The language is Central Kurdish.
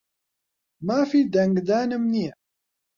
مافی دەنگدانم نییە.